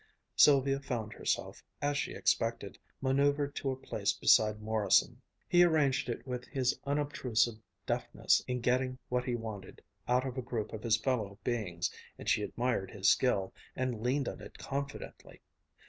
Sylvia found herself, as she expected, manoeuvered to a place beside Morrison. He arranged it with his unobtrusive deftness in getting what he wanted out of a group of his fellow beings, and she admired his skill, and leaned on it confidently.